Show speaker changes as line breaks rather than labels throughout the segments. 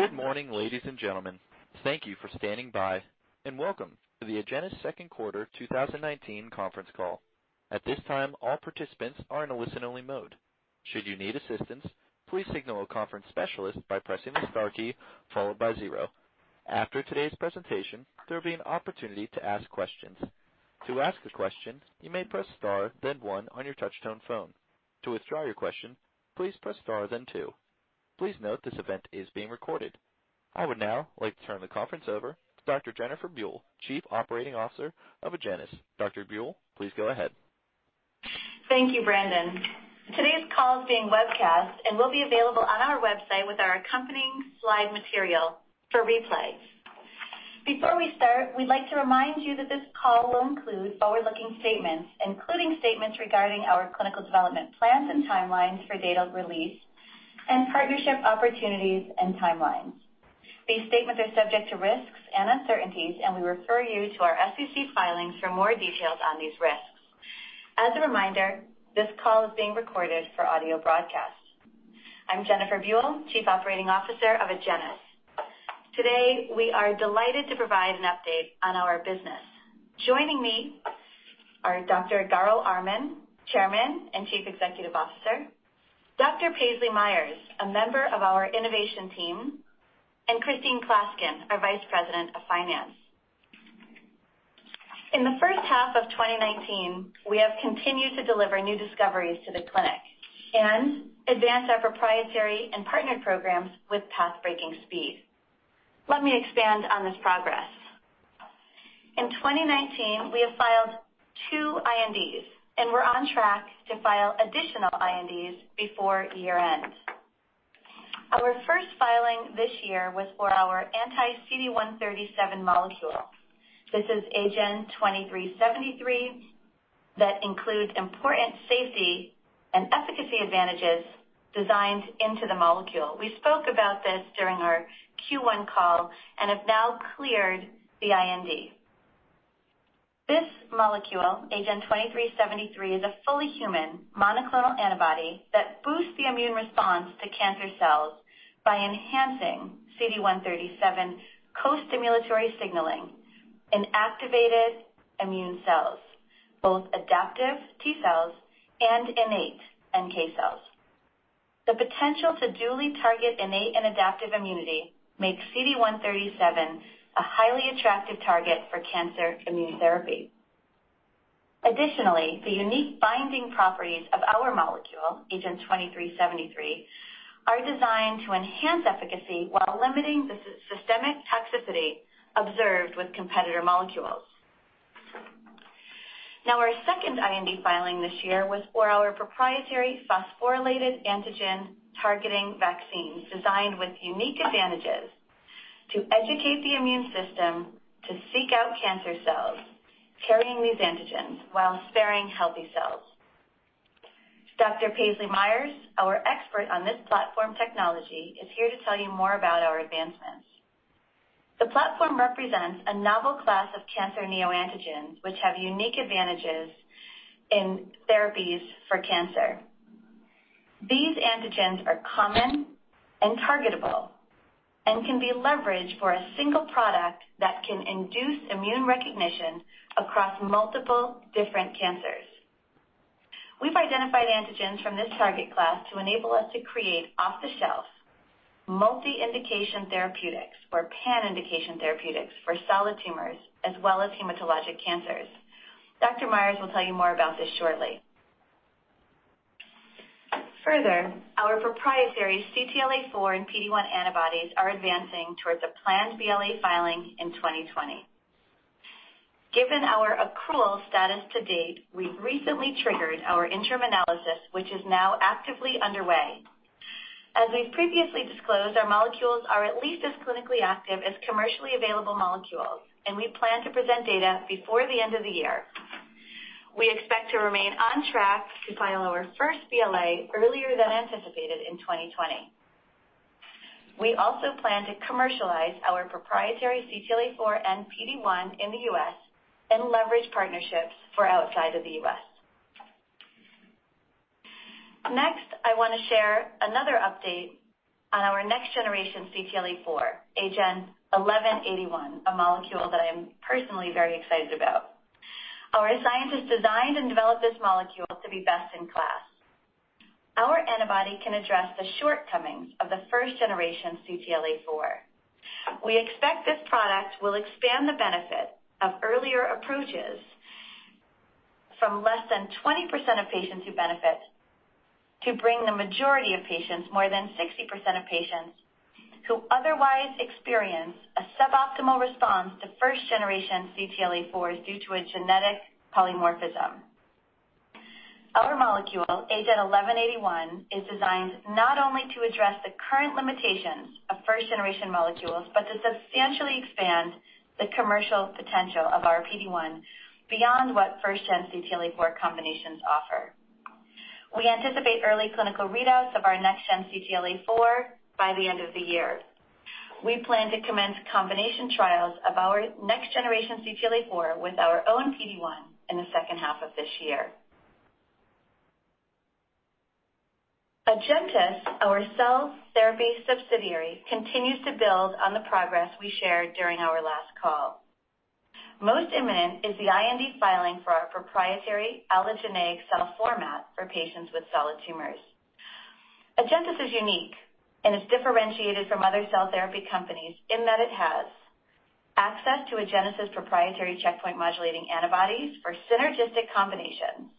Good morning, ladies and gentlemen. Thank you for standing by, and welcome to the Agenus second quarter 2019 conference call. At this time, all participants are in a listen-only mode. Should you need assistance, please signal a conference specialist by pressing the star key followed by zero. After today's presentation, there will be an opportunity to ask questions. To ask a question, you may press star then one on your touch tone phone. To withdraw your question, please press star then two. Please note this event is being recorded. I would now like to turn the conference over to Dr. Jennifer Buell, Chief Operating Officer of Agenus. Dr. Buell, please go ahead.
Thank you, Brandon. Today's call is being webcast and will be available on our website with our accompanying slide material for replay. Before we start, we'd like to remind you that this call will include forward-looking statements, including statements regarding our clinical development plans and timelines for data release and partnership opportunities and timelines. These statements are subject to risks and uncertainties. We refer you to our SEC filings for more details on these risks. As a reminder, this call is being recorded for audio broadcast. I'm Jennifer Buell, Chief Operating Officer of Agenus. Today, we are delighted to provide an update on our business. Joining me are Dr. Garo Armen, Chairman and Chief Executive Officer, Dr. Paisley Myers, a member of our innovation team, and Christine Klaskin, our Vice President of Finance. In the first half of 2019, we have continued to deliver new discoveries to the clinic and advance our proprietary and partnered programs with path-breaking speed. Let me expand on this progress. In 2019, we have filed two INDs, and we're on track to file additional INDs before year-end. Our first filing this year was for our anti-CD137 molecule. This is AGEN2373 that includes important safety and efficacy advantages designed into the molecule. We spoke about this during our Q1 call and have now cleared the IND. This molecule, AGEN2373, is a fully human monoclonal antibody that boosts the immune response to cancer cells by enhancing CD137 co-stimulatory signaling in activated immune cells, both adaptive T cells and innate NK cells. The potential to duly target innate and adaptive immunity makes CD137 a highly attractive target for cancer immunotherapy. Additionally, the unique binding properties of our molecule, AGEN2373, are designed to enhance efficacy while limiting the systemic toxicity observed with competitor molecules. Now, our second IND filing this year was for our proprietary phosphorylated antigen-targeting vaccines, designed with unique advantages to educate the immune system to seek out cancer cells carrying these antigens while sparing healthy cells. Dr. Paisley Myers, our expert on this platform technology, is here to tell you more about our advancements. The platform represents a novel class of cancer neoantigens, which have unique advantages in therapies for cancer. These antigens are common and targetable and can be leveraged for a single product that can induce immune recognition across multiple different cancers. We've identified antigens from this target class to enable us to create off-the-shelf multi-indication therapeutics or pan-indication therapeutics for solid tumors as well as hematologic cancers. Dr. Myers will tell you more about this shortly. Further, our proprietary CTLA-4 and PD-1 antibodies are advancing towards a planned BLA filing in 2020. Given our accrual status to date, we've recently triggered our interim analysis, which is now actively underway. As we've previously disclosed, our molecules are at least as clinically active as commercially available molecules, and we plan to present data before the end of the year. We expect to remain on track to file our first BLA earlier than anticipated in 2020. We also plan to commercialize our proprietary CTLA-4 and PD-1 in the U.S. and leverage partnerships for outside of the U.S. Next, I want to share another update on our next-generation CTLA-4, AGEN1181, a molecule that I am personally very excited about. Our scientists designed and developed this molecule to be best in class. Our antibody can address the shortcomings of the first-generation CTLA-4. We expect this product will expand the benefit of earlier approaches from less than 20% of patients who benefit to bring the majority of patients, more than 60% of patients, who otherwise experience a suboptimal response to first-generation CTLA-4 due to a genetic polymorphism. Our molecule, AGEN1181, is designed not only to address the current limitations of first-generation molecules, but to substantially expand the commercial potential of our PD-1 beyond what first-gen CTLA-4 combinations offer. We anticipate early clinical readouts of our next-gen CTLA-4 by the end of the year. We plan to commence combination trials of our next-generation CTLA-4 with our own PD-1 in the second half of this year. Agenus, our cell therapy subsidiary, continues to build on the progress we shared during our last call. Most imminent is the IND filing for our proprietary allogeneic cell format for patients with solid tumors. Agenus is unique and is differentiated from other cell therapy companies in that it has access to Agenus' proprietary checkpoint modulating antibodies for synergistic combinations,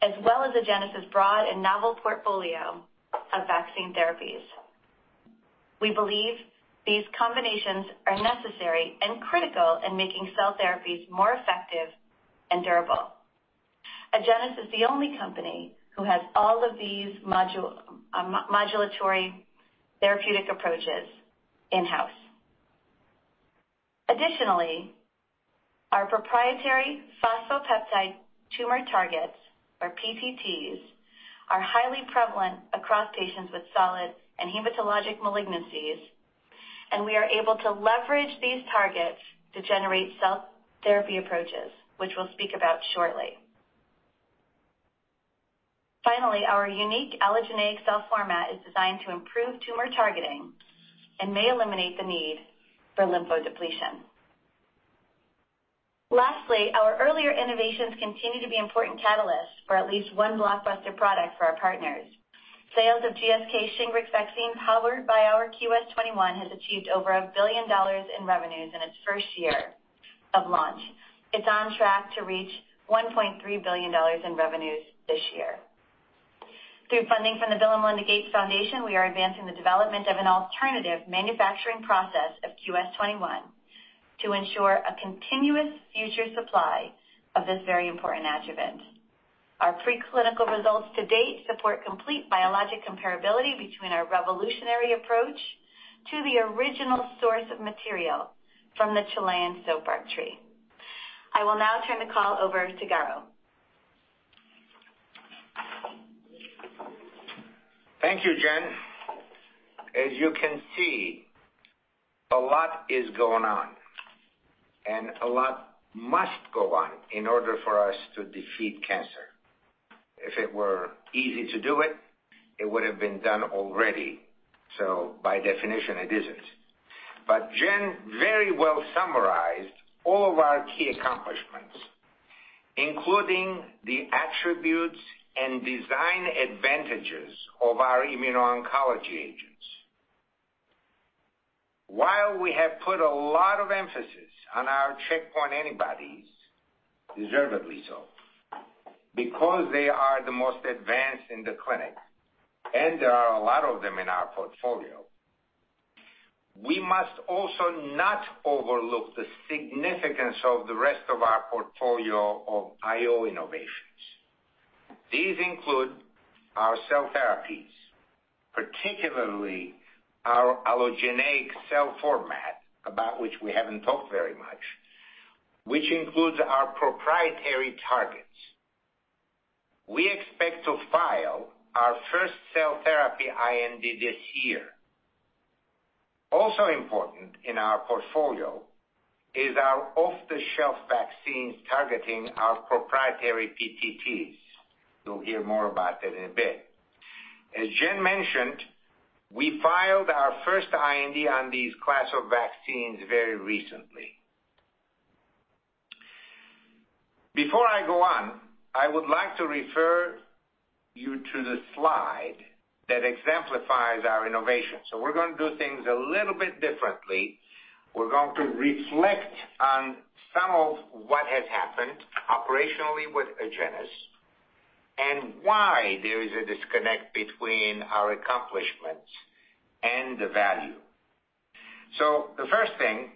as well as Agenus' broad and novel portfolio of vaccine therapies. We believe these combinations are necessary and critical in making cell therapies more effective and durable. Agenus is the only company who has all of these modulatory therapeutic approaches in-house. Additionally, our proprietary Phosphopeptide Tumor Targets, or PPTs, are highly prevalent across patients with solid and hematologic malignancies, and we are able to leverage these targets to generate cell therapy approaches, which we'll speak about shortly. Finally, our unique allogeneic cell format is designed to improve tumor targeting and may eliminate the need for lymphodepletion. Lastly, our earlier innovations continue to be important catalysts for at least one blockbuster product for our partners. Sales of GSK's Shingrix vaccine, powered by our QS21, has achieved over $1 billion in revenues in its first year of launch. It's on track to reach $1.3 billion in revenues this year. Through funding from the Bill and Melinda Gates Foundation, we are advancing the development of an alternative manufacturing process of QS21 to ensure a continuous future supply of this very important adjuvant. Our pre-clinical results to date support complete biologic comparability between our revolutionary approach to the original source of material from the Chilean soapbark tree. I will now turn the call over to Garo.
Thank you, Jen. As you can see, a lot is going on, and a lot must go on in order for us to defeat cancer. If it were easy to do it would've been done already. By definition, it isn't. Jen very well summarized all of our key accomplishments, including the attributes and design advantages of our immuno-oncology agents. While we have put a lot of emphasis on our checkpoint antibodies, deservedly so, because they are the most advanced in the clinic, and there are a lot of them in our portfolio. We must also not overlook the significance of the rest of our portfolio of IO innovations. These include our cell therapies, particularly our allogeneic cell format, about which we haven't talked very much, which includes our proprietary targets. We expect to file our first cell therapy IND this year. Also important in our portfolio is our off-the-shelf vaccines targeting our proprietary PPTs. You'll hear more about that in a bit. As Jen mentioned, we filed our first IND on these class of vaccines very recently. Before I go on, I would like to refer you to the slide that exemplifies our innovation. We're going to do things a little bit differently. We're going to reflect on some of what has happened operationally with Agenus and why there is a disconnect between our accomplishments and the value. The first thing,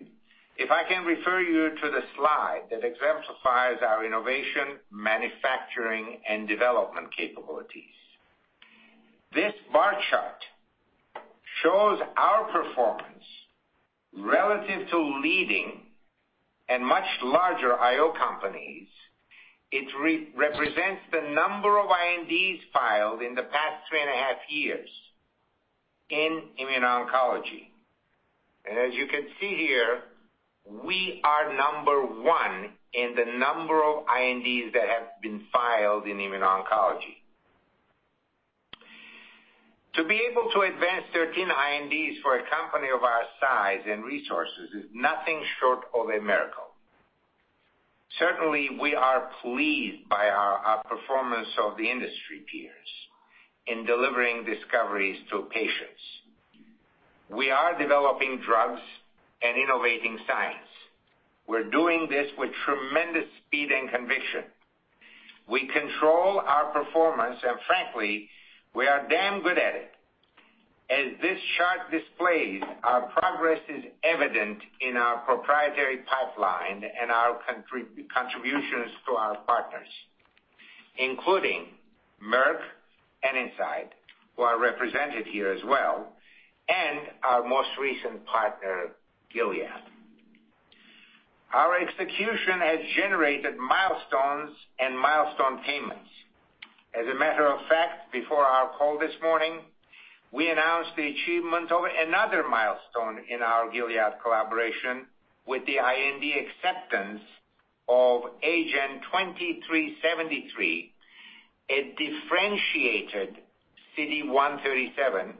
if I can refer you to the slide that exemplifies our innovation, manufacturing, and development capabilities. This bar chart shows our performance relative to leading and much larger IO companies. It represents the number of INDs filed in the past three and a half years in immuno-oncology. As you can see here, we are number one in the number of INDs that have been filed in immuno-oncology. To be able to advance 13 INDs for a company of our size and resources is nothing short of a miracle. Certainly, we are pleased by our outperformance of the industry peers in delivering discoveries to patients. We are developing drugs and innovating science. We're doing this with tremendous speed and conviction. We control our performance, and frankly, we are damn good at it. As this chart displays, our progress is evident in our proprietary pipeline and our contributions to our partners, including Merck and Incyte, who are represented here as well, and our most recent partner, Gilead. Our execution has generated milestones and milestone payments. As a matter of fact, before our call this morning. We announced the achievement of another milestone in our Gilead collaboration with the IND acceptance of AGEN2373, a differentiated CD137,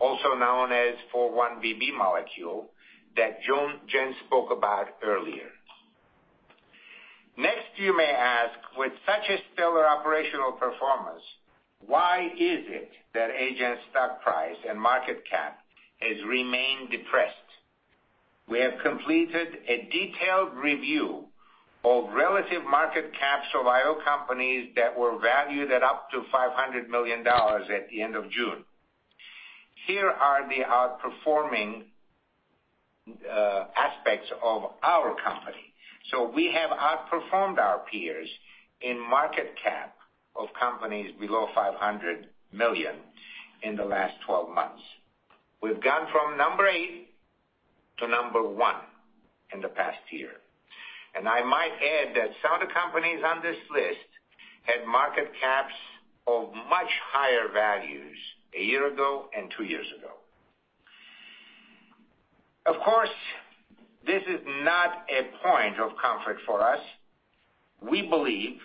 also known as 4-1BB molecule that Jen spoke about earlier. You may ask, with such a stellar operational performance, why is it that Agenus's stock price and market cap has remained depressed? We have completed a detailed review of relative market caps of IO companies that were valued at up to $500 million at the end of June. Here are the outperforming aspects of our company. We have outperformed our peers in market cap of companies below $500 million in the last 12 months. We've gone from number 8 to number 1 in the past year. I might add that some of the companies on this list had market caps of much higher values a year ago and two years ago. Of course, this is not a point of comfort for us. We believe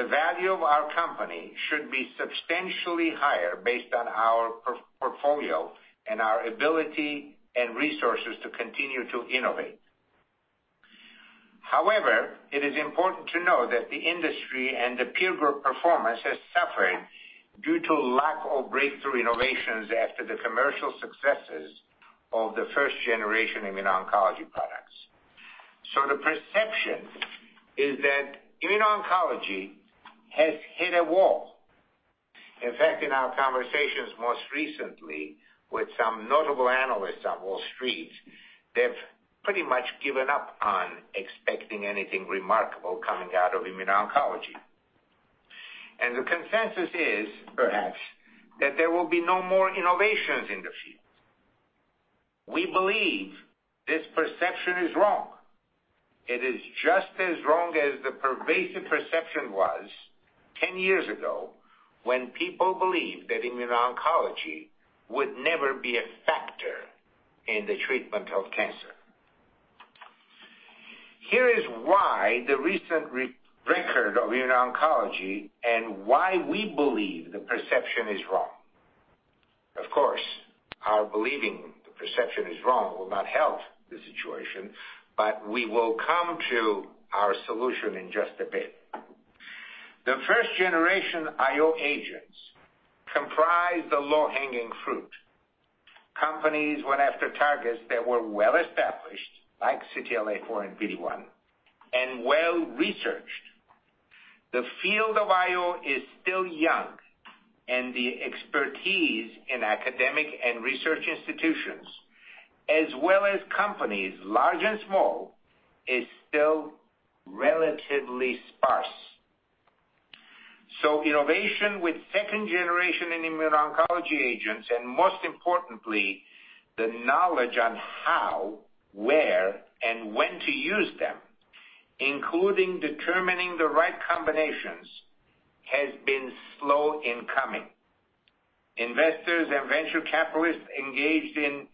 the value of our company should be substantially higher based on our portfolio and our ability and resources to continue to innovate. However, it is important to know that the industry and the peer group performance has suffered due to lack of breakthrough innovations after the commercial successes of the first generation immuno-oncology products. The perception is that immuno-oncology has hit a wall. In fact, in our conversations most recently with some notable analysts on Wall Street, they've pretty much given up on expecting anything remarkable coming out of immuno-oncology. The consensus is, perhaps, that there will be no more innovations in the field. We believe this perception is wrong. It is just as wrong as the pervasive perception was 10 years ago when people believed that immuno-oncology would never be a factor in the treatment of cancer. Here is why the recent record of immuno-oncology and why we believe the perception is wrong. Of course, our believing the perception is wrong will not help the situation, but we will come to our solution in just a bit. The first generation IO agents comprise the low-hanging fruit. Companies went after targets that were well-established, like CTLA-4 and PD-1, and well-researched. The field of IO is still young, and the expertise in academic and research institutions, as well as companies large and small, is still relatively sparse. Innovation with second-generation immuno-oncology agents, and most importantly, the knowledge on how, where, and when to use them, including determining the right combinations, has been slow in coming. Investors and venture capitalists engaged in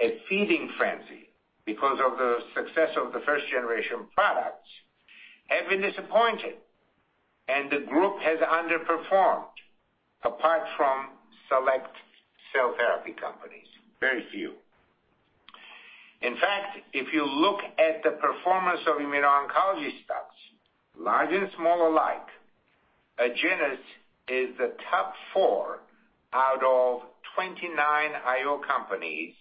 a feeding frenzy because of the success of the first-generation products have been disappointed, and the group has underperformed, apart from select cell therapy companies. Very few. In fact, if you look at the performance of immuno-oncology stocks, large and small alike, Agenus is the top 4 out of 29 IO companies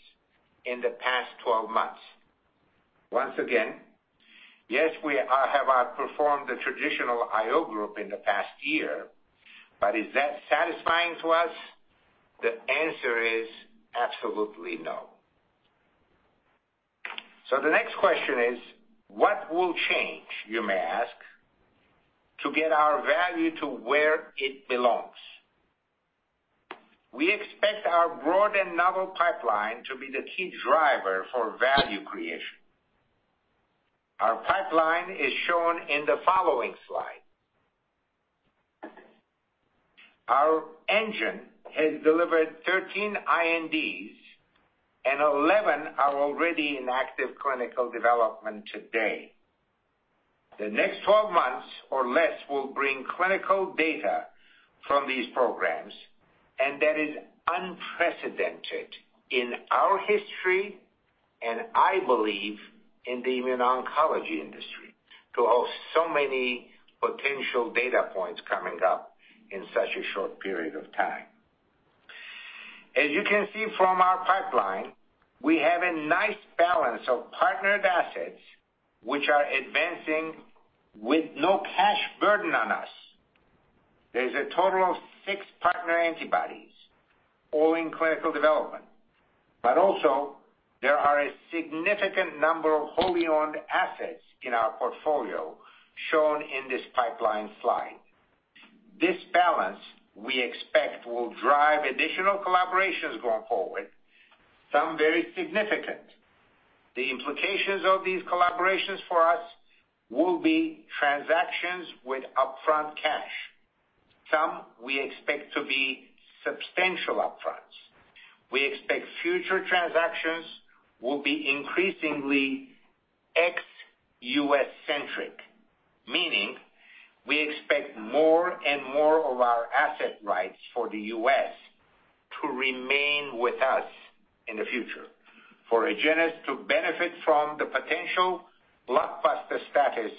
in the past 12 months. Once again, yes, we have outperformed the traditional IO group in the past year, but is that satisfying to us? The answer is absolutely no. The next question is, what will change, you may ask, to get our value to where it belongs? We expect our broad and novel pipeline to be the key driver for value creation. Our pipeline is shown in the following slide. Our engine has delivered 13 INDs, and 11 are already in active clinical development today. The next 12 months or less will bring clinical data from these programs, and that is unprecedented in our history, and I believe in the immuno-oncology industry, to have so many potential data points coming up in such a short period of time. As you can see from our pipeline, we have a nice balance of partnered assets, which are advancing with no cash burden on us. There's a total of six partnered antibodies, all in clinical development. Also there are a significant number of wholly-owned assets in our portfolio shown in this pipeline slide. This balance, we expect, will drive additional collaborations going forward, some very significant. The implications of these collaborations for us will be transactions with upfront cash. Some we expect to be substantial up fronts. We expect future transactions will be increasingly ex U.S.-centric, meaning we expect more and more of our asset rights for the U.S. to remain with us in the future, for Agenus to benefit from the potential blockbuster status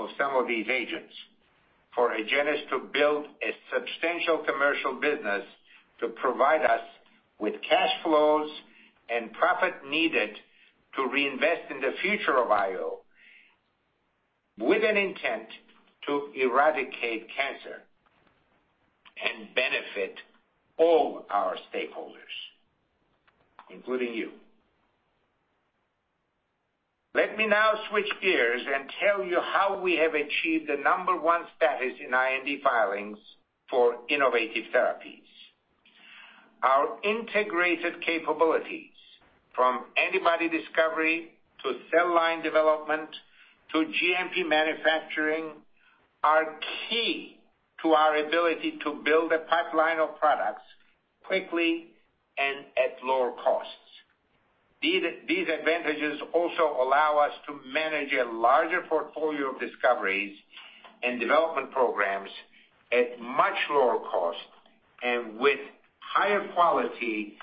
of some of these agents, for Agenus to build a substantial commercial business to provide us with cash flows and profit needed to reinvest in the future of IO, with an intent to eradicate cancer and benefit all our stakeholders, including you. Let me now switch gears and tell you how we have achieved the number one status in IND filings for innovative therapies. Our integrated capabilities, from antibody discovery to cell line development to GMP manufacturing, are key to our ability to build a pipeline of products quickly and at lower costs. These advantages also allow us to manage a larger portfolio of discoveries and development programs at much lower cost and with higher quality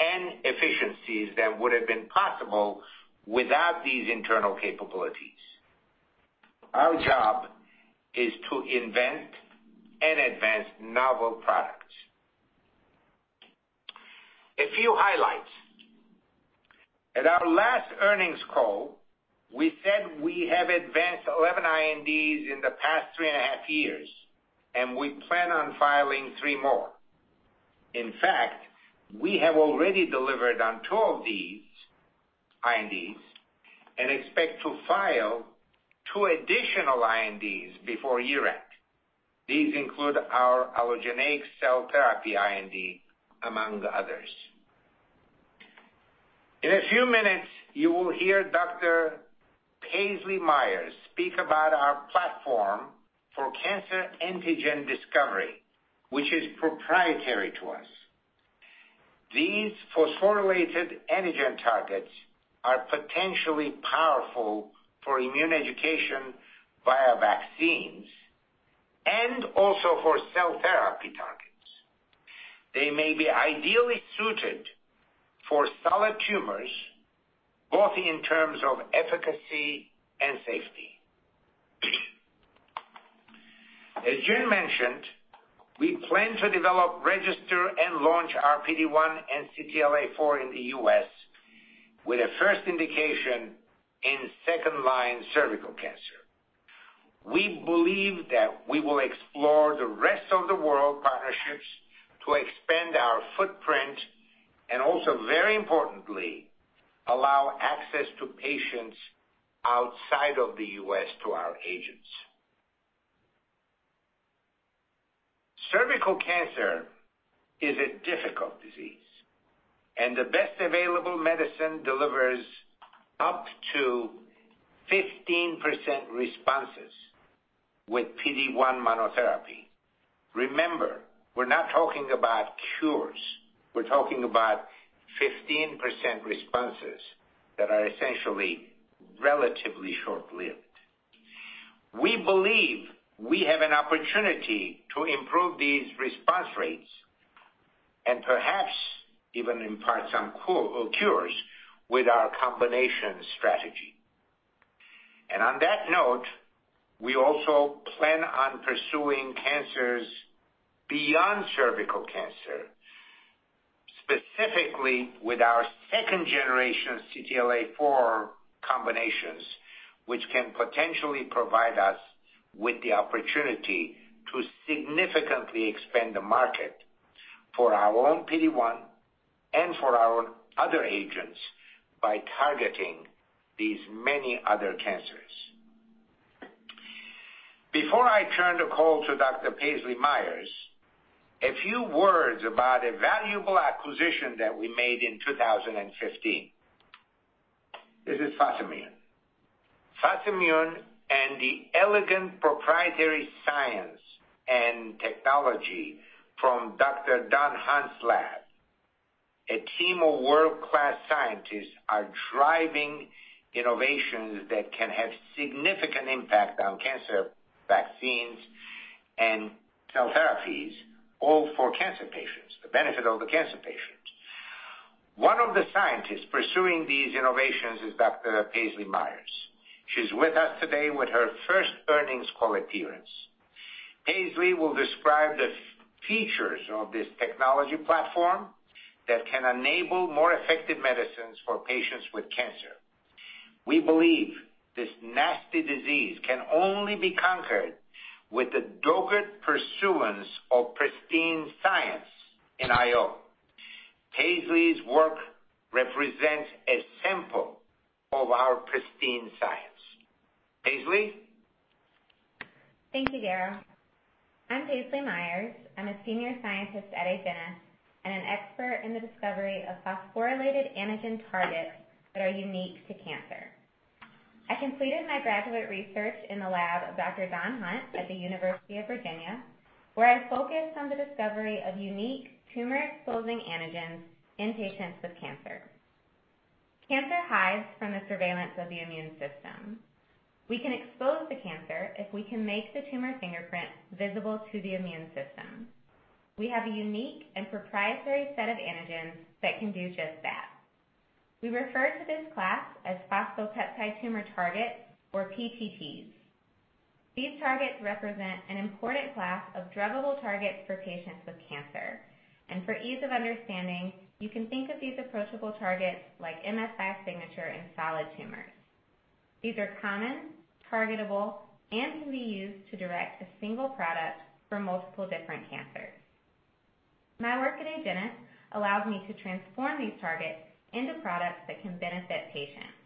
and efficiencies than would have been possible without these internal capabilities. Our job is to invent and advance novel products. A few highlights. At our last earnings call, we said we have advanced 11 INDs in the past three and a half years, and we plan on filing three more. In fact, we have already delivered on two of these INDs and expect to file two additional INDs before year-end. These include our allogeneic cell therapy IND, among others. In a few minutes, you will hear Dr. Paisley Myers speak about our platform for cancer antigen discovery, which is proprietary to us. These phosphorylated antigen targets are potentially powerful for immune education via vaccines and also for cell therapy targets. They may be ideally suited for solid tumors, both in terms of efficacy and safety. As Jen mentioned, we plan to develop, register, and launch our PD-1 and CTLA-4 in the U.S. with the first indication in second-line cervical cancer. We believe that we will explore the rest-of-the-world partnerships to expand our footprint and also, very importantly, allow access to patients outside of the U.S. to our agents. Cervical cancer is a difficult disease, and the best available medicine delivers up to 15% responses with PD-1 monotherapy. Remember, we're not talking about cures. We're talking about 15% responses that are essentially relatively short-lived. We believe we have an opportunity to improve these response rates and perhaps even impart some cures with our combination strategy. On that note, we also plan on pursuing cancers beyond cervical cancer, specifically with our second-generation CTLA-4 combinations, which can potentially provide us with the opportunity to significantly expand the market for our own PD-1 and for our other agents by targeting these many other cancers. Before I turn the call to Dr. Paisley Myers, a few words about a valuable acquisition that we made in 2015. This is PhosImmune. PhosImmune and the elegant proprietary science and technology from Dr. Don Hunt's lab. A team of world-class scientists are driving innovations that can have significant impact on cancer vaccines and cell therapies, all for cancer patients, the benefit of the cancer patients. One of the scientists pursuing these innovations is Dr. Paisley Myers. She's with us today with her first earnings call appearance. Paisley will describe the features of this technology platform that can enable more effective medicines for patients with cancer. We believe this nasty disease can only be conquered with the dogged pursuance of pristine science in IO. Paisley's work represents a sample of our pristine science. Paisley?
Thank you, Garo. I'm Paisley Myers. I'm a senior scientist at Agenus and an expert in the discovery of phosphorylated antigen targets that are unique to cancer. I completed my graduate research in the lab of Dr. Don Hunt at the University of Virginia, where I focused on the discovery of unique tumor-exposing antigens in patients with cancer. Cancer hides from the surveillance of the immune system. We can expose the cancer if we can make the tumor fingerprint visible to the immune system. We have a unique and proprietary set of antigens that can do just that. We refer to this class as Phosphopeptide Tumor Targets, or PPTs. These targets represent an important class of druggable targets for patients with cancer, and for ease of understanding, you can think of these approachable targets like MSI signature in solid tumors. These are common, targetable, and can be used to direct a single product for multiple different cancers. My work at Agenus allows me to transform these targets into products that can benefit patients.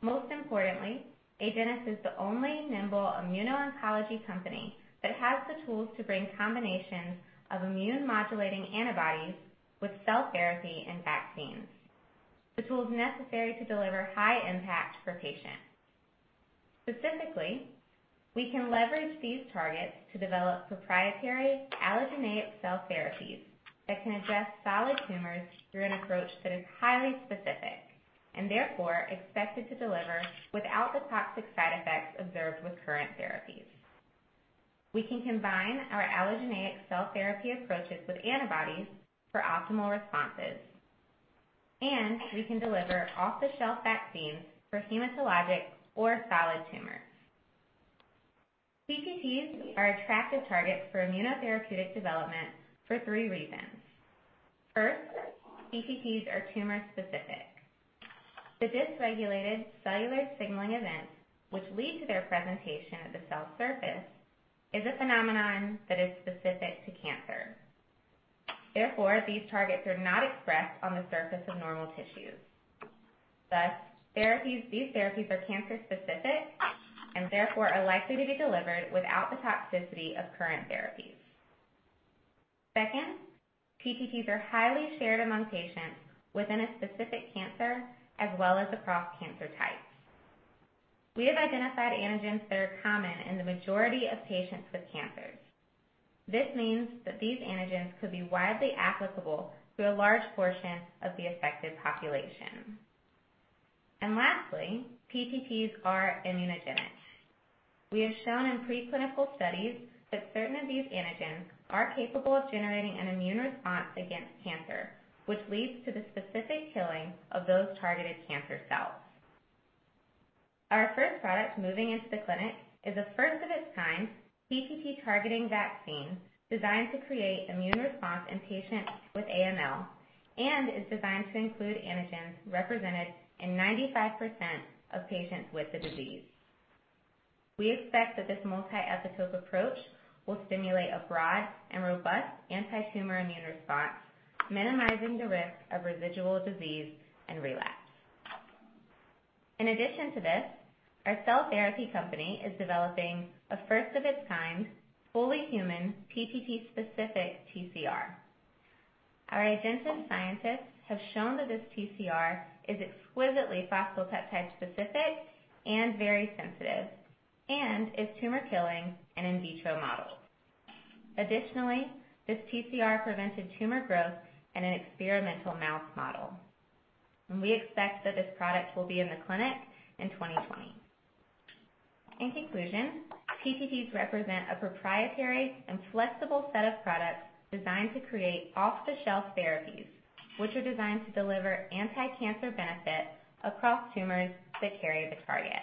Most importantly, Agenus is the only nimble immuno-oncology company that has the tools to bring combinations of immune modulating antibodies with cell therapy and vaccines, the tools necessary to deliver high impact for patients. Specifically, we can leverage these targets to develop proprietary allogeneic cell therapies that can address solid tumors through an approach that is highly specific, and therefore expected to deliver without the toxic side effects observed with current therapies. We can combine our allogeneic cell therapy approaches with antibodies for optimal responses, and we can deliver off-the-shelf vaccines for hematologic or solid tumors. PPTs are attractive targets for immunotherapeutic development for three reasons. First, PPTs are tumor specific. The dysregulated cellular signaling events which lead to their presentation at the cell surface is a phenomenon that is specific to cancer. Therefore, these targets are not expressed on the surface of normal tissues, thus these therapies are cancer-specific and therefore are likely to be delivered without the toxicity of current therapies. Second, PPTs are highly shared among patients within a specific cancer as well as across cancer types. We have identified antigens that are common in the majority of patients with cancers. This means that these antigens could be widely applicable to a large portion of the affected population. Lastly, PPTs are immunogenic. We have shown in pre-clinical studies that certain of these antigens are capable of generating an immune response against cancer, which leads to the specific killing of those targeted cancer cells. Our first product moving into the clinic is a first of its kind PPT-targeting vaccine designed to create immune response in patients with AML and is designed to include antigens represented in 95% of patients with the disease. We expect that this multi-epitope approach will stimulate a broad and robust anti-tumor immune response, minimizing the risk of residual disease and relapse. In addition to this, our cell therapy company is developing a first of its kind fully human PPT specific TCR. Our Agenus scientists have shown that this TCR is exquisitely phosphopeptide specific and very sensitive and is tumor killing in in vitro models. Additionally, this TCR prevented tumor growth in an experimental mouse model, and we expect that this product will be in the clinic in 2020. In conclusion, PPTs represent a proprietary and flexible set of products designed to create off-the-shelf therapies, which are designed to deliver anti-cancer benefit across tumors that carry the target.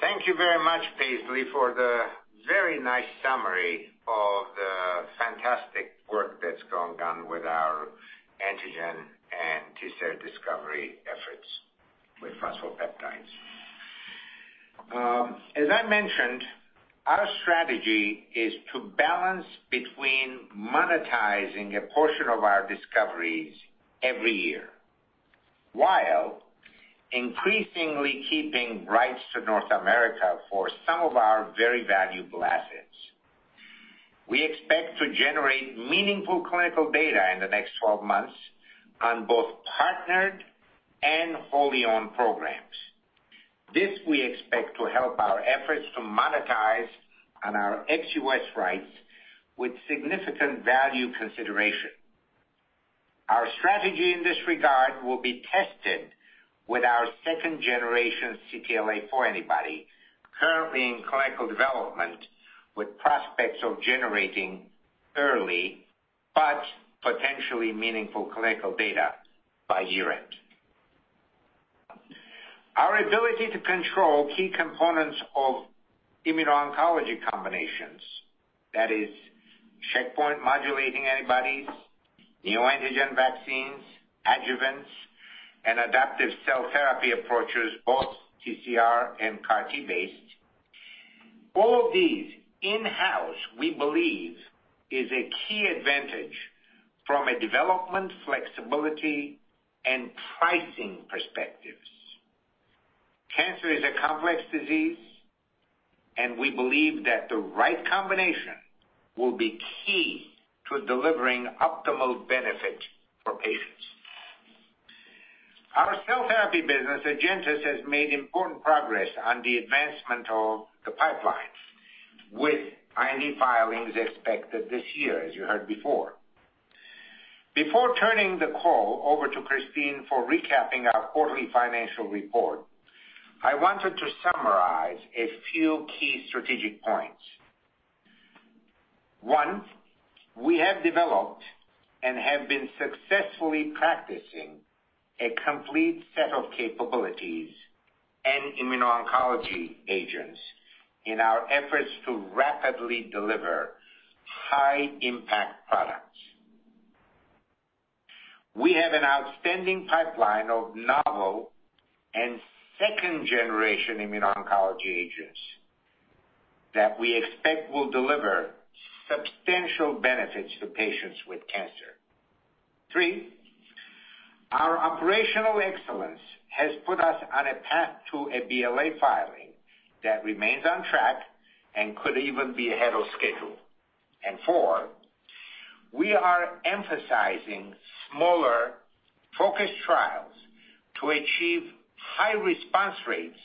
Thank you very much, Paisley, for the very nice summary of the fantastic work that's going on with our antigen and T-cell discovery efforts with phosphopeptides. As I mentioned, our strategy is to balance between monetizing a portion of our discoveries every year while increasingly keeping rights to North America for some of our very valuable assets. We expect to generate meaningful clinical data in the next 12 months on both partnered and wholly-owned programs. This we expect will help our efforts to monetize on our ex-U.S. rights with significant value consideration. Our strategy in this regard will be tested with our second generation CTLA-4 antibody currently in clinical development with prospects of generating early but potentially meaningful clinical data by year-end. Our ability to control key components of immuno-oncology combinations, that is checkpoint modulating antibodies, neoantigen vaccines, adjuvants, and adaptive cell therapy approaches, both TCR and CAR T based, all these in-house, we believe, is a key advantage from a development, flexibility, and pricing perspectives. Cancer is a complex disease. We believe that the right combination will be key to delivering optimal benefit for patients. Our cell therapy business, AgenTus, has made important progress on the advancement of the pipelines, with IND filings expected this year, as you heard before. Before turning the call over to Christine for recapping our quarterly financial report, I wanted to summarize a few key strategic points. One, we have developed and have been successfully practicing a complete set of capabilities and immuno-oncology agents in our efforts to rapidly deliver high-impact products. We have an outstanding pipeline of novel and second-generation immuno-oncology agents that we expect will deliver substantial benefits to patients with cancer. Three, our operational excellence has put us on a path to a BLA filing that remains on track and could even be ahead of schedule. Four, we are emphasizing smaller focused trials to achieve high response rates,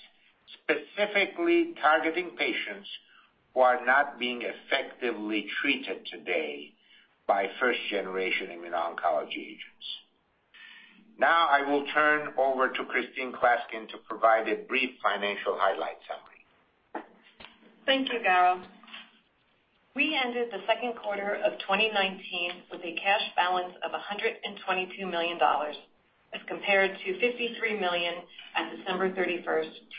specifically targeting patients who are not being effectively treated today by first-generation immuno-oncology agents. Now I will turn over to Christine Klaskin to provide a brief financial highlight summary.
Thank you, Garo. We ended the second quarter of 2019 with a cash balance of $122 million as compared to $53 million on December 31,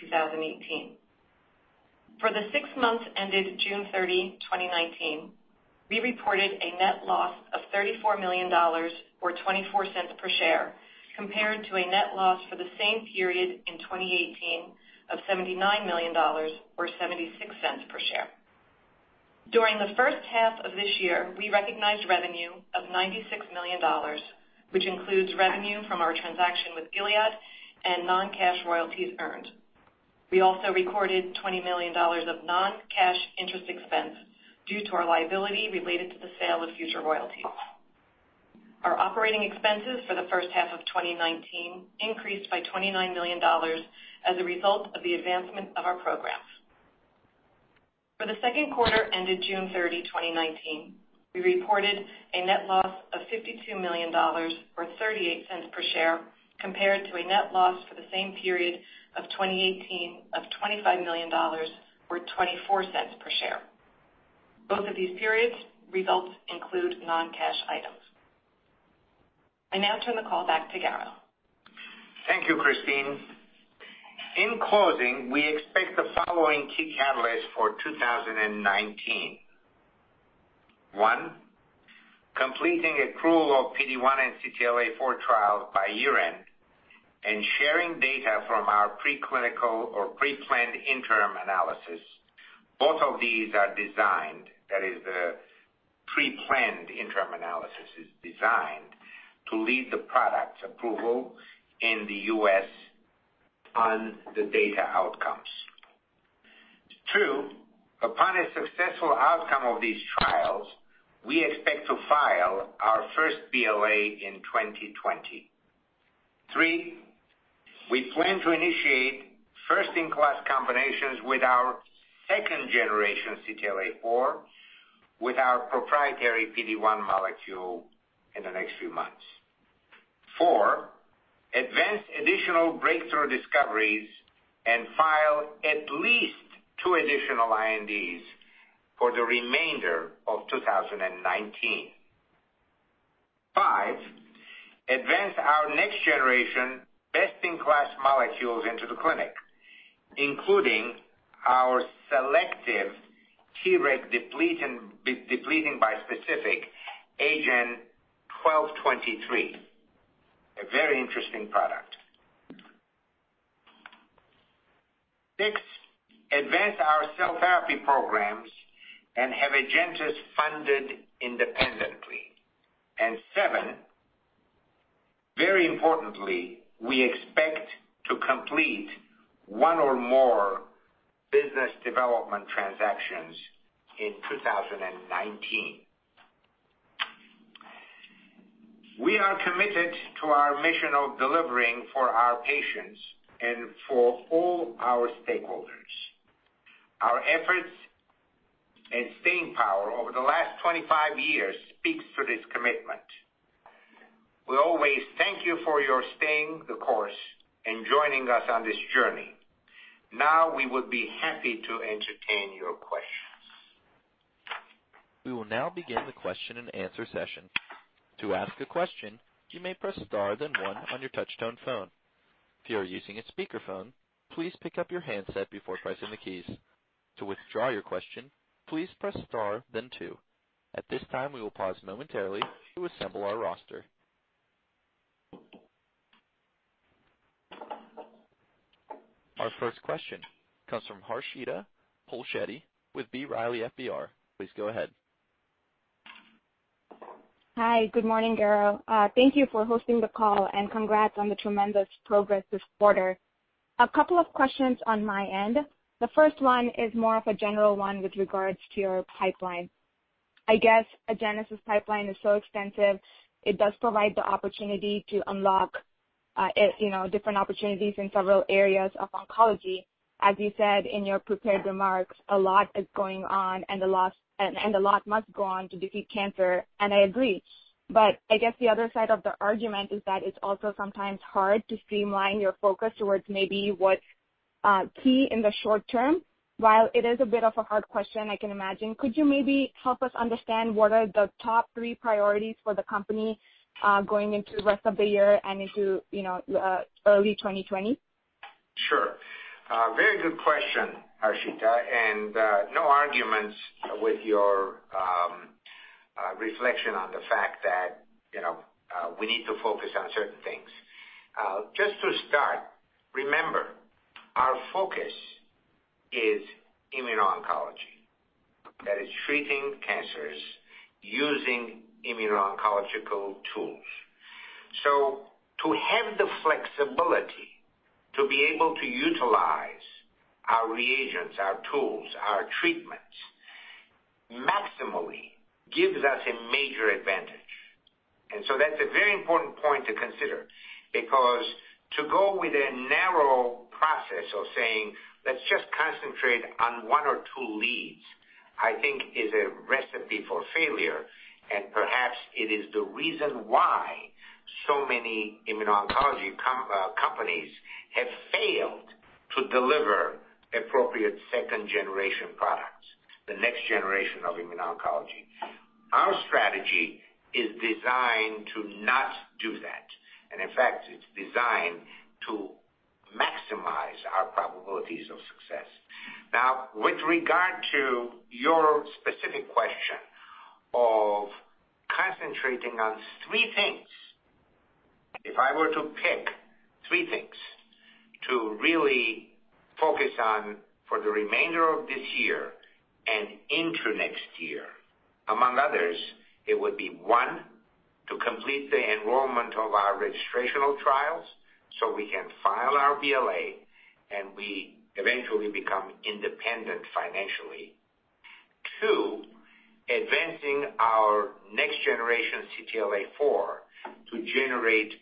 2018. For the six months ended June 30, 2019, we reported a net loss of $34 million, or $0.24 per share, compared to a net loss for the same period in 2018 of $79 million or $0.76 per share. During the first half of this year, we recognized revenue of $96 million, which includes revenue from our transaction with Gilead and non-cash royalties earned. We also recorded $20 million of non-cash interest expense due to our liability related to the sale of future royalties. Our operating expenses for the first half of 2019 increased by $29 million as a result of the advancement of our programs. For the second quarter ended June 30, 2019, we reported a net loss of $52 million, or $0.38 per share, compared to a net loss for the same period of 2018 of $25 million or $0.24 per share. Both of these periods' results include non-cash items. I now turn the call back to Garo.
Thank you, Christine. In closing, we expect the following key catalysts for 2019. One, completing accrual of PD-1 and CTLA-4 trials by year-end and sharing data from our preclinical or preplanned interim analysis. Both of these are designed, that is, the preplanned interim analysis is designed to lead the product approval in the U.S. on the data outcomes. Two, upon a successful outcome of these trials, we expect to file our first BLA in 2020. Three, we plan to initiate first-in-class combinations with our second-generation CTLA-4 with our proprietary PD-1 molecule in the next few months. Four, advance additional breakthrough discoveries and file at least two additional INDs for the remainder of 2019. Five, advance our next-generation best-in-class molecules into the clinic, including our selective T-reg depleting bispecific AGEN1223, a very interesting product. Six, advance our cell therapy programs and have AgenTus funded independently. Seven, very importantly, we expect to complete one or more business development transactions in 2019. We are committed to our mission of delivering for our patients and for all our stakeholders. Our efforts and staying power over the last 25 years speaks to this commitment. We always thank you for your staying the course and joining us on this journey. Now we would be happy to entertain your questions.
We will now begin the question and answer session. To ask a question, you may press star then one on your touch-tone phone. If you are using a speakerphone, please pick up your handset before pressing the keys. To withdraw your question, please press star then two. At this time, we will pause momentarily to assemble our roster. Our first question comes from Harshita Pulshetti with B. Riley FBR. Please go ahead.
Hi. Good morning, Garo. Thank you for hosting the call, and congrats on the tremendous progress this quarter. A couple of questions on my end. The first one is more of a general one with regards to your pipeline. I guess Agenus pipeline is so extensive, it does provide the opportunity to unlock different opportunities in several areas of oncology. As you said in your prepared remarks, a lot is going on, and a lot must go on to defeat cancer, and I agree. I guess the other side of the argument is that it's also sometimes hard to streamline your focus towards maybe what's key in the short term. While it is a bit of a hard question, I can imagine, could you maybe help us understand what are the top three priorities for the company going into the rest of the year and into early 2020?
Sure. Very good question, Harshita. No arguments with your reflection on the fact that we need to focus on certain things. Just to start, remember, our focus is immuno-oncology. That is treating cancers using immuno-oncological tools. To have the flexibility to be able to utilize our reagents, our tools, our treatments, maximally gives us a major advantage. That's a very important point to consider, because to go with a narrow process of saying, "Let's just concentrate on one or two leads," I think is a recipe for failure, and perhaps it is the reason why so many immuno-oncology companies have failed to deliver appropriate second-generation products, the next generation of immuno-oncology. Our strategy is designed to not do that, and in fact, it's designed to maximize our probabilities of success. Now, with regard to your specific question of concentrating on three things, if I were to pick three things to really focus on for the remainder of this year and into next year, among others, it would be, one, to complete the enrollment of our registrational trials so we can file our BLA and we eventually become independent financially. Two, advancing our next generation CTLA-4 to generate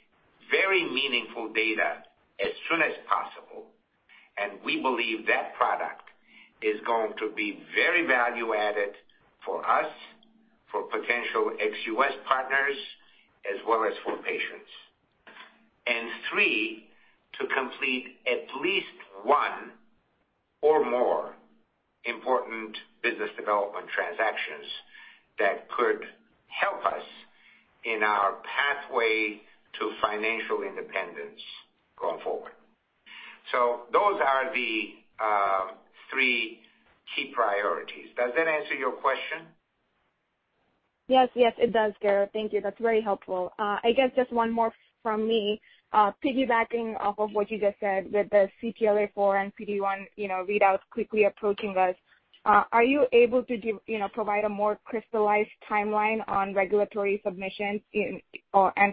very meaningful data as soon as possible, and we believe that product is going to be very value-added for us, for potential ex-US partners, as well as for patients. Three, to complete at least one or more important business development transactions that could help us in our pathway to financial independence going forward. Those are the three key priorities. Does that answer your question?
Yes, it does, Garo. Thank you. That's very helpful. I guess just one more from me. Piggybacking off of what you just said with the CTLA-4 and PD-1 readouts quickly approaching us, are you able to provide a more crystallized timeline on regulatory submissions and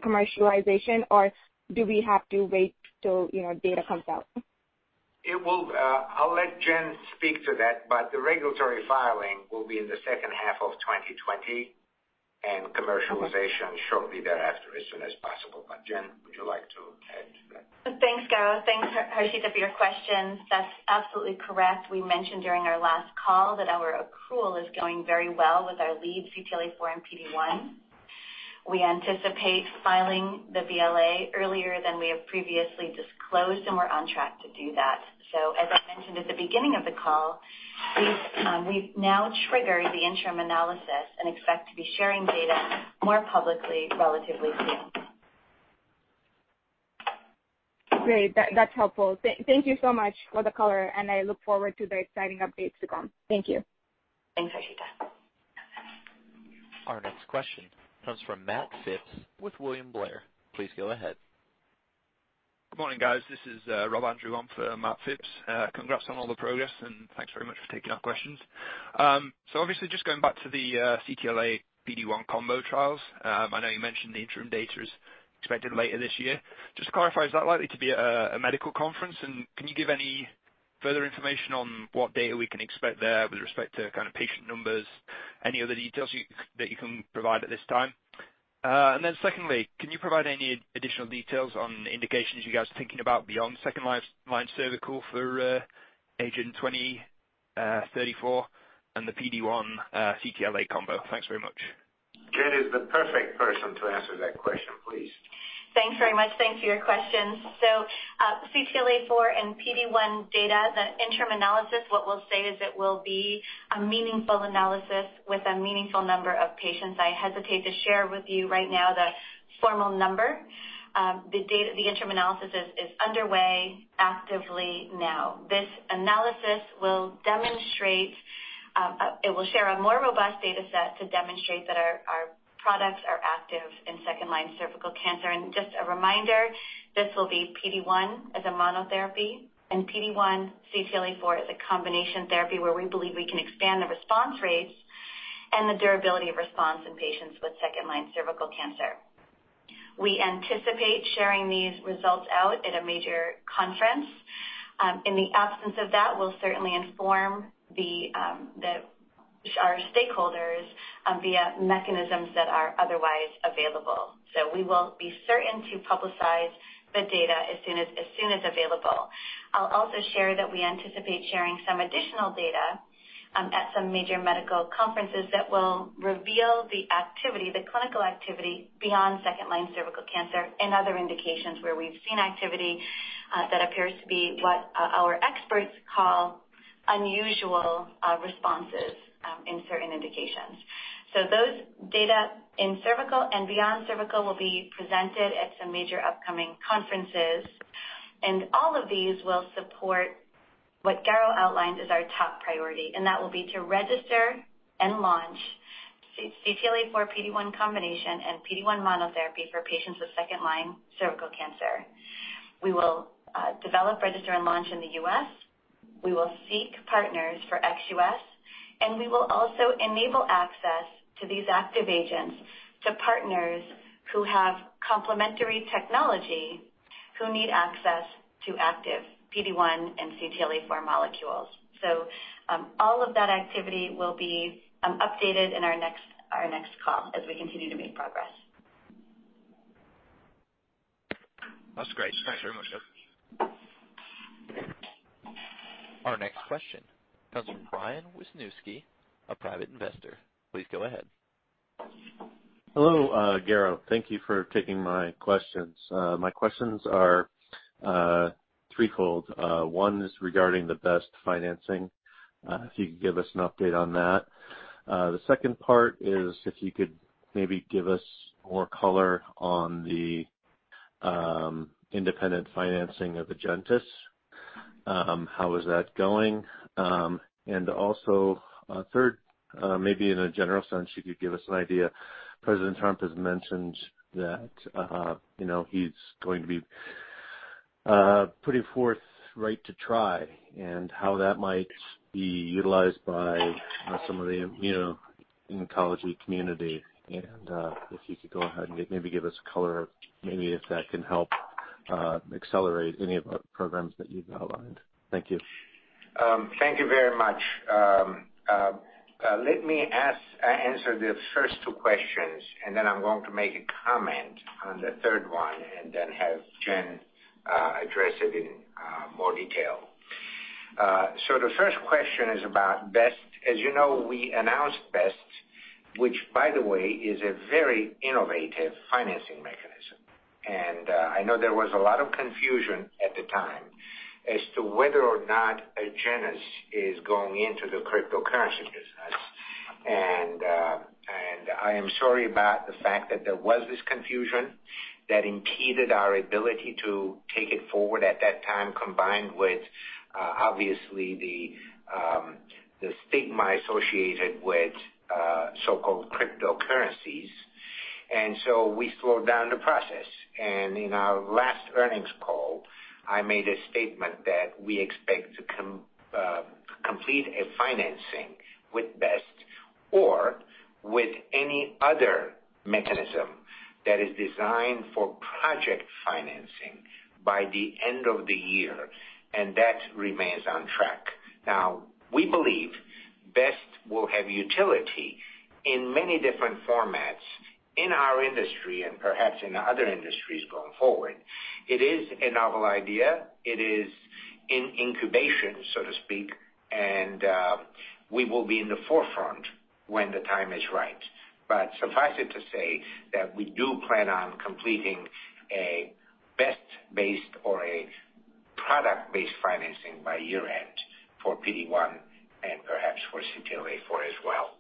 commercialization, or do we have to wait till data comes out?
I'll let Jen speak to that, but the regulatory filing will be in the second half of 2020, and commercialization shortly thereafter as soon as possible. Jen, would you like to add to that?
Thanks, Garo. Thanks, Harshita, for your questions. That's absolutely correct. We mentioned during our last call that our accrual is going very well with our lead CTLA-4 and PD-1. We anticipate filing the BLA earlier than we have previously disclosed, and we're on track to do that. As I mentioned at the beginning of the call, we've now triggered the interim analysis and expect to be sharing data more publicly relatively soon.
Great. That's helpful. Thank you so much for the color, and I look forward to the exciting updates to come. Thank you.
Thanks, Harshita.
Our next question comes from Matt Phipps with William Blair. Please go ahead.
Good morning, guys. This is Rob Andrew on for Matt Phipps. Congrats on all the progress, and thanks very much for taking our questions. Obviously, just going back to the CTLA-4 PD-1 combo trials. I know you mentioned the interim data is expected later this year. Just to clarify, is that likely to be a medical conference, and can you give any further information on what data we can expect there with respect to patient numbers, any other details that you can provide at this time? Secondly, can you provide any additional details on indications you guys are thinking about beyond second-line cervical for AGEN2034 and the PD-1 CTLA-4 combo? Thanks very much.
Jen is the perfect person to answer that question. Please.
Thanks very much. Thanks for your questions. CTLA-4 and PD-1 data, the interim analysis, what we'll say is it will be a meaningful analysis with a meaningful number of patients. I hesitate to share with you right now the formal number. The interim analysis is underway actively now. This analysis will share a more robust data set to demonstrate that our products are active in second-line cervical cancer. Just a reminder, this will be PD-1 as a monotherapy and PD-1 CTLA-4 as a combination therapy where we believe we can expand the response rates and the durability of response in patients with second-line cervical cancer. We anticipate sharing these results out at a major conference. In the absence of that, we'll certainly inform our stakeholders via mechanisms that are otherwise available. We will be certain to publicize the data as soon as available. I'll also share that we anticipate sharing some additional data at some major medical conferences that will reveal the clinical activity beyond second-line cervical cancer and other indications where we've seen activity that appears to be what our experts call unusual responses in certain indications. Those data in cervical and beyond cervical will be presented at some major upcoming conferences, and all of these will support what Garo outlined as our top priority, and that will be to register and launch CTLA-4 PD-1 combination and PD-1 monotherapy for patients with second-line cervical cancer. We will develop, register, and launch in the U.S. We will seek partners for ex-U.S., and we will also enable access to these active agents to partners who have complementary technology who need access to active PD-1 and CTLA-4 molecules. All of that activity will be updated in our next call as we continue to make progress.
That's great. Thanks very much, Jen.
Our next question comes from Brian Wisnewski, a private investor. Please go ahead.
Hello, Garo. Thank you for taking my questions. My questions are threefold. One is regarding the BEST financing, if you could give us an update on that. The second part is if you could maybe give us more color on the independent financing of Agenus. How is that going? Also, third, maybe in a general sense, you could give us an idea. President Trump has mentioned that he's going to be putting forth Right to Try and how that might be utilized by some of the immunology community, if you could go ahead and maybe give us color, maybe if that can help accelerate any of the programs that you've outlined. Thank you.
Thank you very much. Let me answer the first two questions, and then I'm going to make a comment on the third one and then have Jen address it in more detail. The first question is about BEST. As you know, we announced BEST, which by the way, is a very innovative financing mechanism. I know there was a lot of confusion at the time as to whether or not Agenus is going into the cryptocurrency business. I am sorry about the fact that there was this confusion that impeded our ability to take it forward at that time, combined with obviously the stigma associated with so-called cryptocurrencies. We slowed down the process. In our last earnings call, I made a statement that we expect to complete a financing with BEST or with any other mechanism that is designed for project financing by the end of the year, and that remains on track. We believe BEST will have utility in many different formats in our industry and perhaps in other industries going forward. It is a novel idea. It is in incubation, so to speak, and we will be in the forefront when the time is right. Suffice it to say that we do plan on completing a BEST-based or a product-based financing by year-end for PD-1 and perhaps for CTLA-4 as well.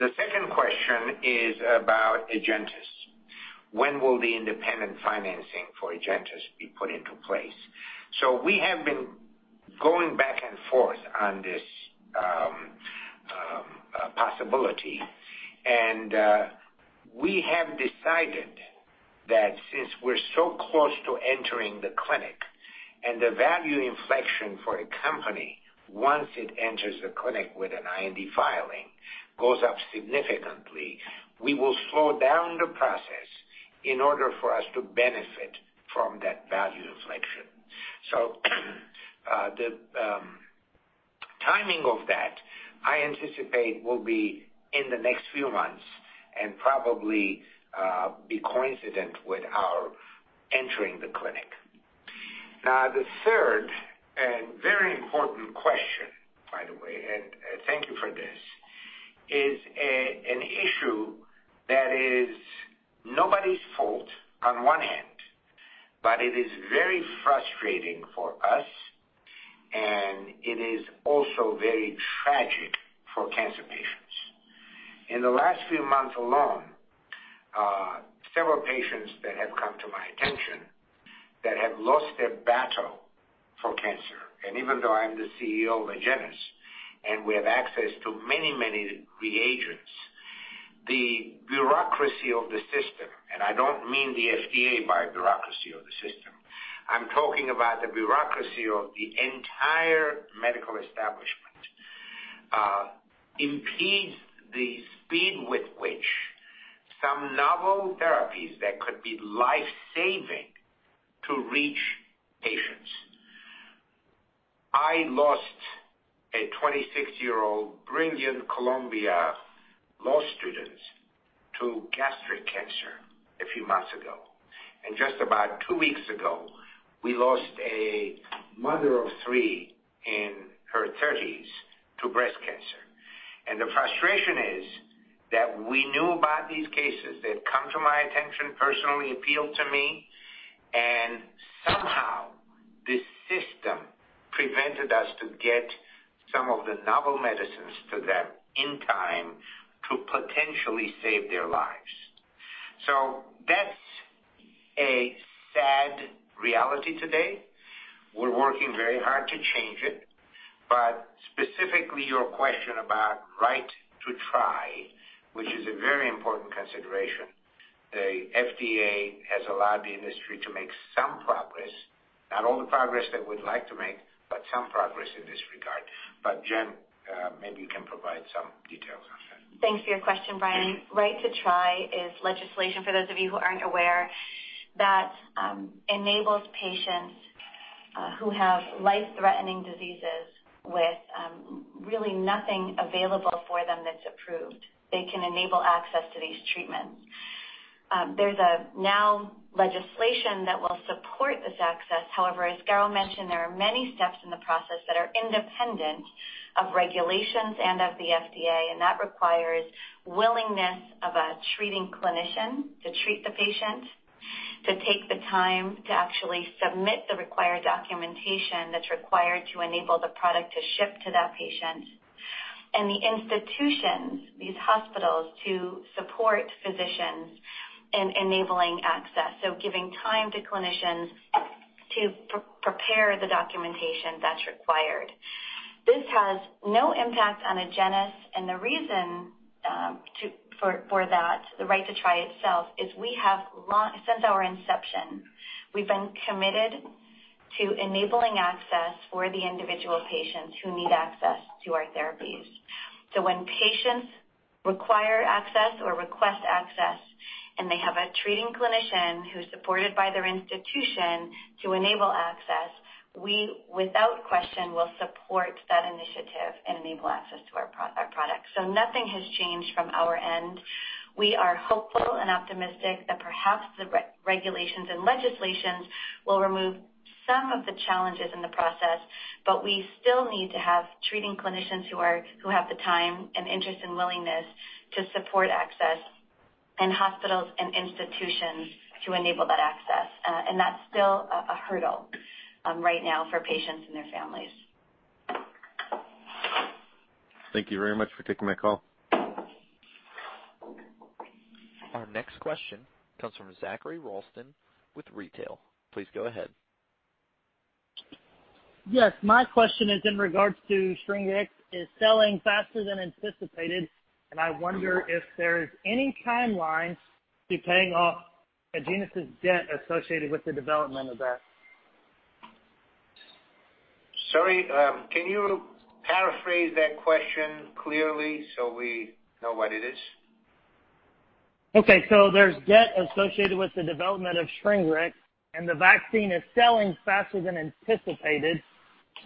The second question is about Agenus. When will the independent financing for Agenus be put into place? We have been going back and forth on this possibility, and we have decided that since we're so close to entering the clinic and the value inflection for a company once it enters the clinic with an IND filing goes up significantly, we will slow down the process in order for us to benefit from that value inflection. The timing of that, I anticipate, will be in the next few months and probably be coincident with our entering the clinic. The third and very important question, by the way, and thank you for this, is an issue that is nobody's fault on one hand, but it is very frustrating for us. It is also very tragic for cancer patients. In the last few months alone, several patients that have come to my attention that have lost their battle for cancer. Even though I'm the CEO of Agenus, and we have access to many reagents, the bureaucracy of the system, and I don't mean the FDA by bureaucracy of the system, I'm talking about the bureaucracy of the entire medical establishment impedes the speed with which some novel therapies that could be lifesaving to reach patients. I lost a 26-year-old brilliant Columbia law student to gastric cancer a few months ago. Just about two weeks ago, we lost a mother of three in her 30s to breast cancer. The frustration is that we knew about these cases. They had come to my attention personally, appealed to me, and somehow the system prevented us to get some of the novel medicines to them in time to potentially save their lives. That's a sad reality today. We're working very hard to change it. Specifically, your question about Right to Try, which is a very important consideration. The FDA has allowed the industry to make some progress, not all the progress that we'd like to make, but some progress in this regard. Jen, maybe you can provide some details on that.
Thanks for your question, Brian. Right to Try is legislation, for those of you who aren't aware, that enables patients who have life-threatening diseases with really nothing available for them that's approved. They can enable access to these treatments. There's now legislation that will support this access. As Garo mentioned, there are many steps in the process that are independent of regulations and of the FDA, and that requires willingness of a treating clinician to treat the patient, to take the time to actually submit the required documentation that's required to enable the product to ship to that patient, and the institutions, these hospitals, to support physicians in enabling access. Giving time to clinicians to prepare the documentation that's required. This has no impact on Agenus. The reason for that, the Right to Try itself, is since our inception, we've been committed to enabling access for the individual patients who need access to our therapies. When patients require access or request access, and they have a treating clinician who's supported by their institution to enable access, we, without question, will support that initiative and enable access to our product. Nothing has changed from our end. We are hopeful and optimistic that perhaps the regulations and legislations will remove some of the challenges in the process. We still need to have treating clinicians who have the time and interest and willingness to support access, and hospitals and institutions to enable that access. That's still a hurdle right now for patients and their families.
Thank you very much for taking my call.
Our next question comes from Zachary Ralston with Retail. Please go ahead.
Yes, my question is in regards to Shingrix. It's selling faster than anticipated. I wonder if there is any timeline to paying off Agenus's debt associated with the development of that.
Sorry. Can you paraphrase that question clearly so we know what it is?
Okay, there's debt associated with the development of Shingrix, and the vaccine is selling faster than anticipated.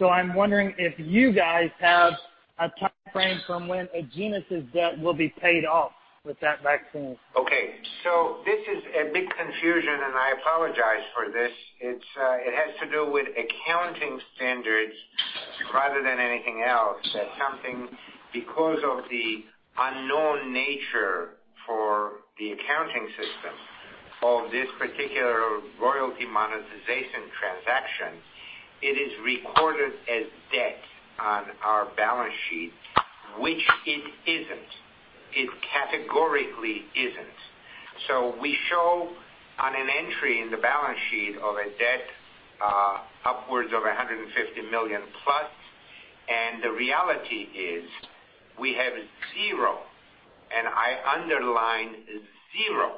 I'm wondering if you guys have a timeframe from when Agenus's debt will be paid off with that vaccine.
This is a big confusion, and I apologize for this. It has to do with accounting standards rather than anything else. That something, because of the unknown nature for the accounting system of this particular royalty monetization transaction, it is recorded as debt on our balance sheet, which it isn't. It categorically isn't. We show on an entry in the balance sheet of a debt upwards of $150 million plus. The reality is we have zero, and I underline zero,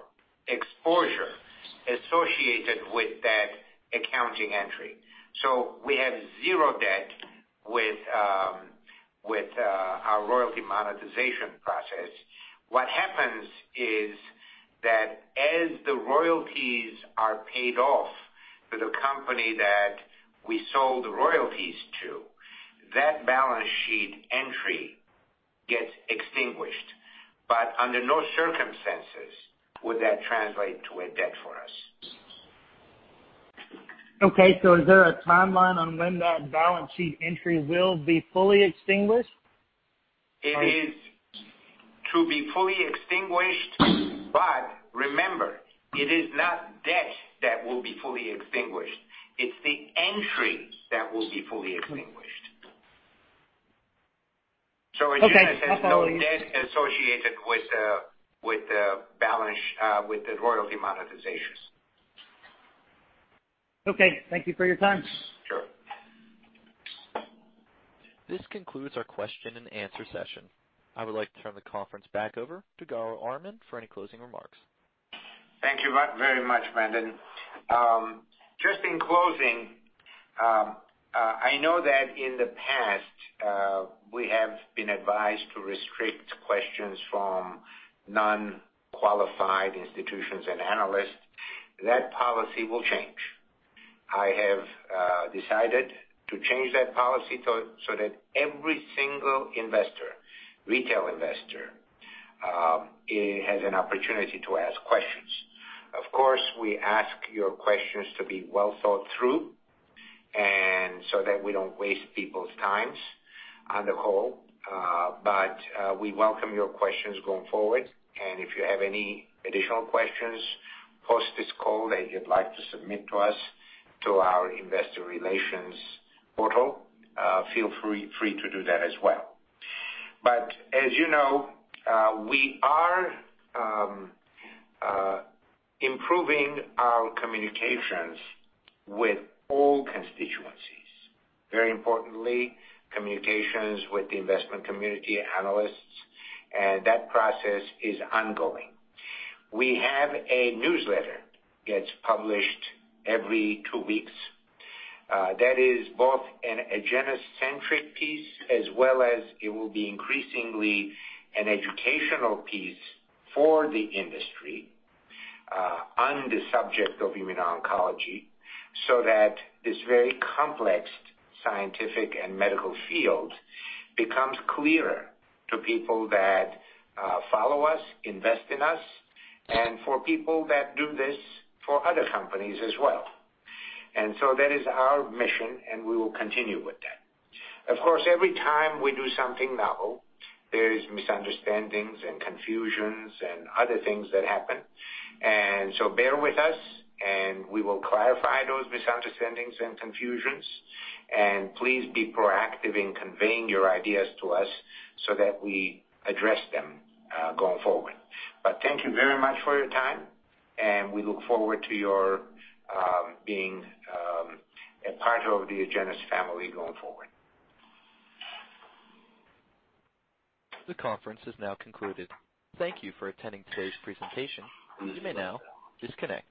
exposure associated with that accounting entry. We have zero debt with our royalty monetization process. What happens is that as the royalties are paid off to the company that we sold the royalties to, that balance sheet entry gets extinguished. Under no circumstances would that translate to a debt for us.
Okay. Is there a timeline on when that balance sheet entry will be fully extinguished?
To be fully extinguished. Remember, it is not debt that will be fully extinguished. It's the entry that will be fully extinguished.
Okay.
In essence, no debt associated with the balance, with the royalty monetizations.
Okay. Thank you for your time.
Sure.
This concludes our question and answer session. I would like to turn the conference back over to Garo Armen for any closing remarks.
Thank you very much, Brandon. Just in closing, I know that in the past, we have been advised to restrict questions from non-qualified institutions and analysts. That policy will change. I have decided to change that policy so that every single investor, retail investor, has an opportunity to ask questions. Of course, we ask your questions to be well thought through, and so that we don't waste people's times on the whole. We welcome your questions going forward. If you have any additional questions post this call that you'd like to submit to us through our investor relations portal, feel free to do that as well. As you know, we are improving our communications with all constituencies. Very importantly, communications with the investment community analysts, and that process is ongoing. We have a newsletter gets published every two weeks, that is both an Agenus-centric piece, as well as it will be increasingly an educational piece for the industry on the subject of immuno-oncology, so that this very complex scientific and medical field becomes clearer to people that follow us, invest in us, and for people that do this for other companies as well. That is our mission, and we will continue with that. Of course, every time we do something novel, there is misunderstandings and confusions and other things that happen. Bear with us, and we will clarify those misunderstandings and confusions. Please be proactive in conveying your ideas to us so that we address them going forward. Thank you very much for your time, and we look forward to your being a part of the Agenus family going forward.
The conference is now concluded. Thank you for attending today's presentation. You may now disconnect.